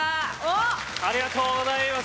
ありがとうございます！